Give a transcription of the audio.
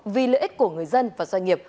vì lợi ích của người dân và doanh nghiệp